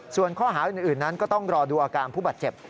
ส่วนข้อหาอื่นนั้นก็ต้องรอดูอาการผู้บาดเจ็บ